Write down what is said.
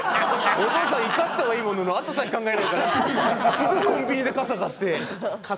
お父さん怒ったはいいものの後先考えないからすぐコンビニで傘買って。